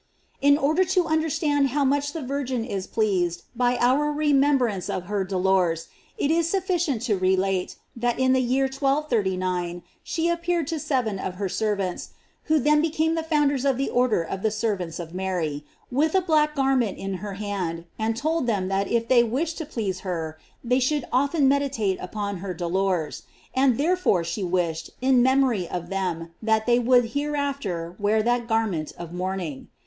"* In order to un derstand how much the Virgin is pleased by our remembrance of her dolors, it is sufficient to re late, that in the year 1239, she appeared to seven of her servants, who then became the founders of the order of the Servants of Mary, with a black garment in her hand, and told them that if they wished to please her, they should often meditate upon her dolors; and therefore fibe wished, in memory of them, that they would hereafter wear that garment of mourning.